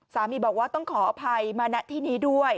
สามีบอกว่าต้องขออภัยมาณที่นี้ด้วย